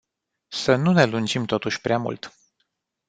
Să nu ne lungim totuși prea mult.